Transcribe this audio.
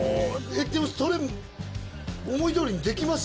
でもそれ思い通りにできます？